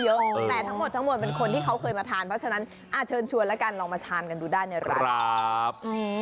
แต่ทั้งหมดเป็นคนที่เค้าเคยมาทานเพราะฉะนั้นเชิญชวนละกันลองมาชามกันดูได้เนี่ยรับ